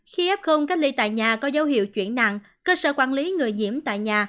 khi f cách ly tại nhà có dấu hiệu chuyển nặng cơ sở quản lý người nhiễm tại nhà